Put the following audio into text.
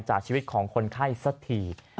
จากชีวิตของคนไข้สักที